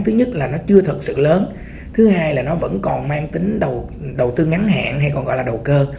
thứ nhất là nó chưa thật sự lớn thứ hai là nó vẫn còn mang tính đầu tư ngắn hẹn hay còn gọi là đầu cơ